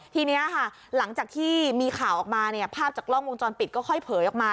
ทีนี้ค่ะหลังจากที่มีข่าวออกมาเนี่ยภาพจากกล้องวงจรปิดก็ค่อยเผยออกมา